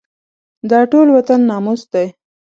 دا ټول وطن ناموس دی.